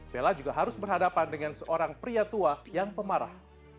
bella juga harus berhadapan dengan seorang pria tua yang pemarah